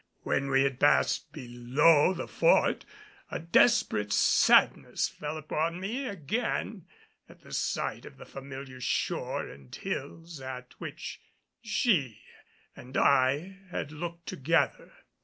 When we had passed below the Fort, a desperate sadness fell upon me again at the sight of the familiar shore and hills at which she and I had looked together.